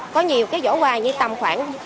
có nhiều cái giỏ quà như tầm khoảng